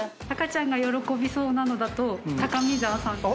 赤ちゃんが喜びそうなのだと高見沢さん。